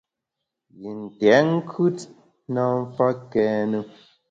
Yi ntèt nkùt na mfa kène.